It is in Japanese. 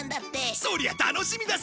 そりゃ楽しみだぜ！